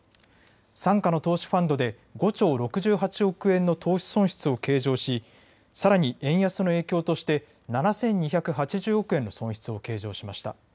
傘下の投資ファンドで５兆６８億円の投資損失を計上し、さらに円安の影響として７２８０億円の損失を計上しました。